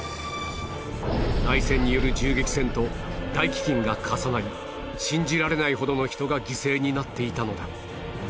内戦による銃撃戦と大飢饉が重なり信じられないほどの人が犠牲になっていたのだ